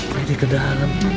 jadi ke dalam